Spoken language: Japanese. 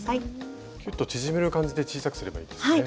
キュッと縮める感じで小さくすればいいですね。